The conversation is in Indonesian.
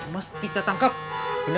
mesti ada anak anak yang kaya gitu ya